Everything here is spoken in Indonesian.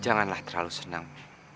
janganlah terlalu senang